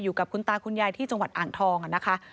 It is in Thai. อยู่กับคุณตาคุณยายที่จังหวัดอ่างทองนะคะ